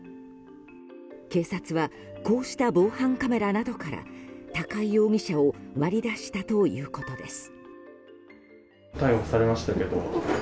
警察はこうした防犯カメラなどから高井容疑者を割り出したということです。